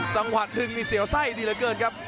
จังหวะดึงนี่เสียวไส้ดีเหลือเกินครับ